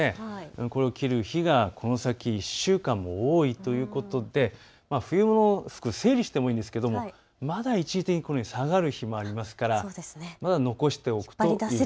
これを着る日がこの先１週間多いということで冬物の服、整理してもいいんですが、まだ一時的に下がる日もあるのでまだ残しておくと。